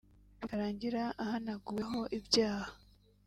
bikarangira ahanaguweho ibyaha